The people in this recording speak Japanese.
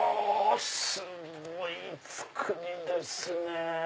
すごい造りですね！